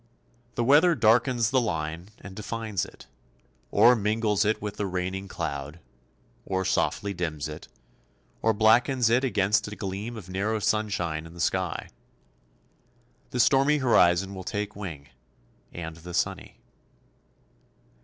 The weather darkens the line and defines it, or mingles it with the raining cloud; or softly dims it, or blackens it against a gleam of narrow sunshine in the sky. The stormy horizon will take wing, and the sunny.